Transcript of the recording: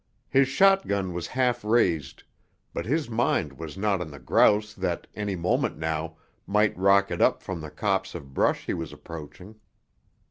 His shotgun was half raised, but his mind was not on the grouse that, any moment now, might rocket up from the copse of brush he was approaching.